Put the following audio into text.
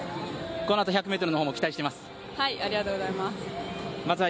このあと１００ｍも期待しています。